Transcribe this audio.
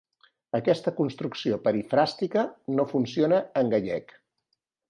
Aquesta construcció perifràstica no funciona en gallec.